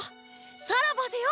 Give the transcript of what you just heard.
さらばぜよ！